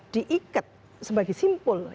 diikat sebagai simpul